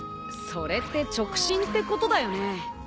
それって直進ってことだよね。